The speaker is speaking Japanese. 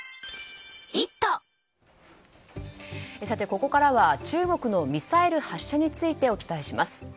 ここからは中国のミサイル発射についてお伝えします。